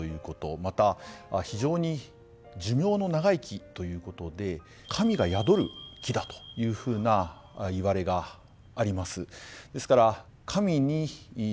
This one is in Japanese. また非常に寿命の長い木ということで神が宿る木だというふうないわれがあります。